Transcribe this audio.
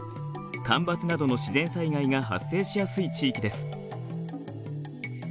干ばつなどの自然災害が発生しやすい地域です。